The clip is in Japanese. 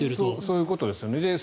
そういうことですよね。